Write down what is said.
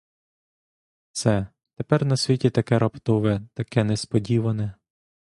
Все тепер на світі таке раптове, таке несподіване.